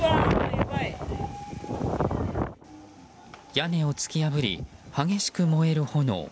屋根を突き破り激しく燃える炎。